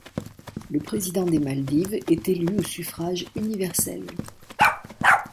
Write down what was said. Le président des Maldives est élu au suffrage universel.